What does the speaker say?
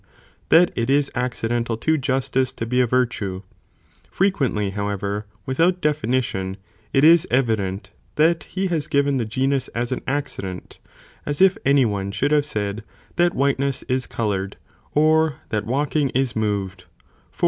that it is accidental to justice to be a virtue; frequently, however, without definition, it is evident that he has given the genus as an accident, as if any one should have said, that white ness is coloured, or that walking is moved, for the " ct.